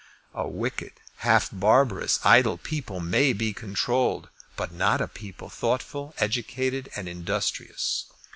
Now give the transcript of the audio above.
A wicked, half barbarous, idle people may be controlled; but not a people thoughtful, educated, and industrious.